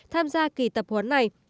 tham gia kỳ tập huấn này